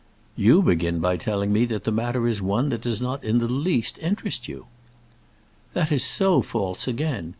"You begin by telling me that the matter is one that does not in the least interest you." "That is so false again!